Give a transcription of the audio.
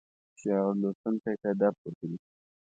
شعر لوستونکی ته درس ورکوي.